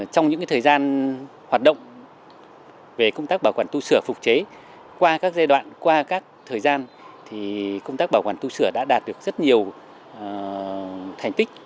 trong những thời gian hoạt động về công tác bảo quản tu sửa phục chế qua các giai đoạn qua các thời gian công tác bảo quản tu sửa đã đạt được rất nhiều thành tích